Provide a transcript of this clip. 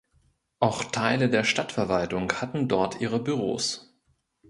Auch Teile der Stadtverwaltung hatten dort ihre Büros.